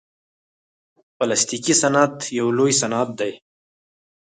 پلاستيکي صنعت یو لوی صنعت دی.